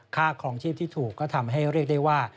ครองชีพที่ถูกก็ทำให้เรียกได้ว่า